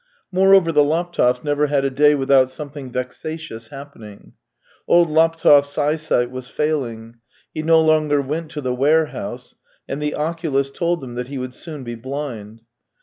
Moreover, the Laptevs never had a day without something vexatious happening. Old Laptev's eyesight was failing; he no longer went to the warehouse, and the oculist told them that he would soon be blind.